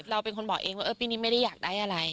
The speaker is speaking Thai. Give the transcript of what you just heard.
เราเป็นคนบอกเองว่าปีนี้ไม่ได้อยากได้อะไร